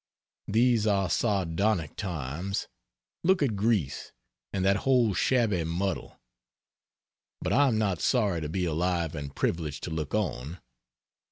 These are sardonic times. Look at Greece, and that whole shabby muddle. But I am not sorry to be alive and privileged to look on.